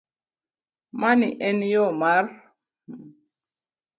Mani en yo mar m